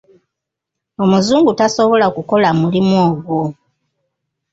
Omuzungu tasobola kukola mulimu ogwo.